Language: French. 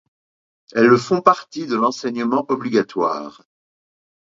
Elles font partie de l'enseignement obligatoire.